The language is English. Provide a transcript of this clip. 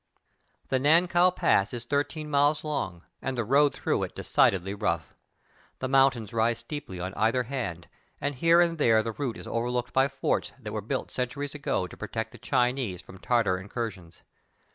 The Nankow Pass is thirteen miles long, and the road through it is decidedly rough. The moun tains rise steeply on either hand, and here and there the route is overlooked by forts that were built centuries ago to protect the Chinese from Tartar incursions.